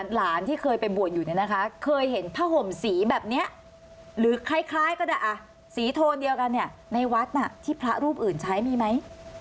หลานที่เคยไปบวชอยู่เนี่ยนะคะเคยเห็นผ้าห่มสีแบบนี้หรือคล้ายก็ได้สีโทนเดียวกันเนี่ยในวัดน่ะที่พระรูปอื่นใช้มีไหม